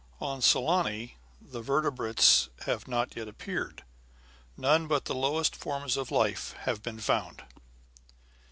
"On Saloni, the vertebrates have not yet appeared. None but the lowest forms of life have been found."